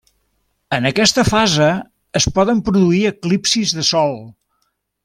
En aquesta fase es poden produir eclipsis de Sol.